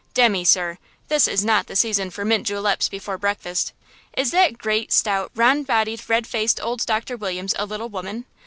Demmy, sir, this is not the season for mint juleps before breakfast! Is that great, stout, round bodied, red faced old Doctor Williams a little woman?